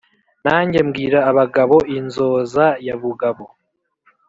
Nanjye mbwira abagabo inzoza* ya Bugabo.